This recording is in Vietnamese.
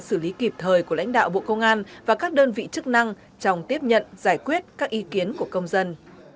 xử lý kịp thời của lãnh đạo bộ công an và các đơn vị chức năng trong tiếp nhận giải quyết các ý kiến của công dân